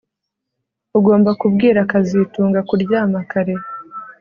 Ugomba kubwira kazitunga kuryama kare